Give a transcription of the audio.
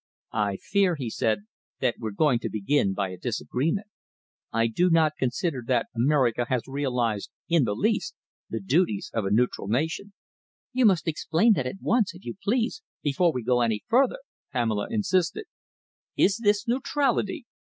"I fear," he said, "that we are going to begin by a disagreement. I do not consider that America has realised in the least the duties of a neutral nation." "You must explain that at once, if you please, before we go any further," Pamela insisted. "Is this neutrality?"